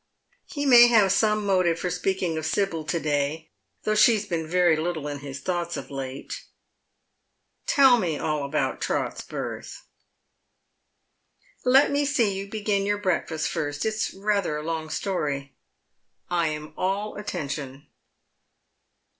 lie may have some motive for speaking of Sibyl to day, though she has been very little in his thoughts of late. " tell me all about Trot's birth." " Let me see you begin your breakfast first. It's rather a long story." " I am all attention."